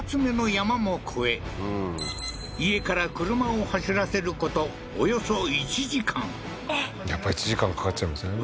そして家から車を走らせることおよそ１時間やっぱ１時間かかっちゃいますよね